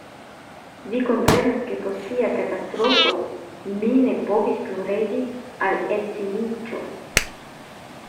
Vi komprenas, ke post tia katastrofo mi ne povis plu revi al edziniĝo.